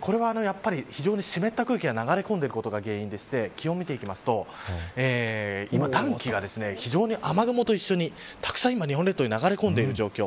これは非常に湿った空気が流れ込んでいることが原因でして気温を見ていきますと今、暖気が非常に雨雲と一緒にたくさん日本列島に流れ込んでいる状況。